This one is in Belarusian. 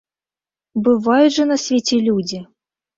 Бываюць жа на свеце людзі!